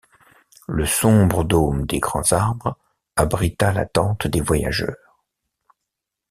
Le sombre dôme des grands arbres abrita la tente des voyageurs.